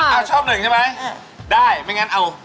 เอาชอบ๑ใช่ไหมได้ไม่งั้นเอา๑